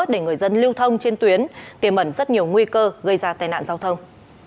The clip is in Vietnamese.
để người dân lưu thông trên tuyến tiềm ẩn rất nhiều nguy cơ gây ra tai nạn giao thông